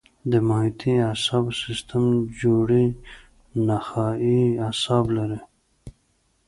د محیطي اعصابو سیستم جوړې نخاعي اعصاب لري.